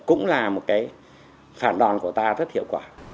cũng là một cái phản đoàn của ta rất hiệu quả